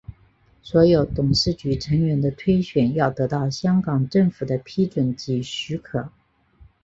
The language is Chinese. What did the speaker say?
所有董事局成员的推选要得到香港政府的批准及许可。